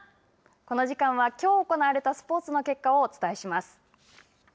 この時間はきょう行われたスポーツの結果をお伝えします。